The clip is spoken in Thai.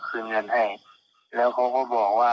เอ่อคืนเงินไปก็ให้ผมลบคลิปในเฟสบุ๊คนะครับครับแปลนผมโพสครับ